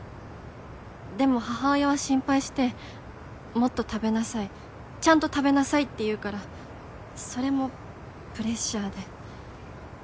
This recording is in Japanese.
でも母親は心配して「もっと食べなさい」「ちゃんと食べなさい」って言うからそれもプレッシャーで。